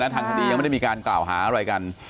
ทางคดียังไม่ได้มีการกล่าวหาอะไรกัน